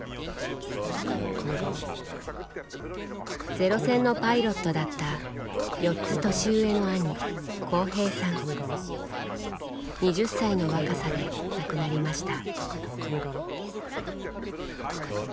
ゼロ戦のパイロットだった４つ年上の兄２０歳の若さで亡くなりました。